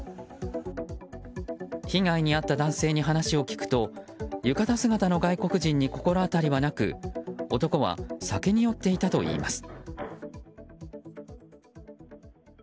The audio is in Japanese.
被害に遭った男性に話を聞くと浴衣姿の外国人に心当たりはなく男は、酒に酔っていたといいます。